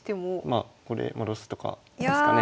まあこれ戻すとかですかね。